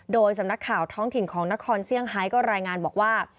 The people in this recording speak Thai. โดยสำนักข่าวท้องถิ่นของนครเซี่ยงไฮก็รายงานบอกว่า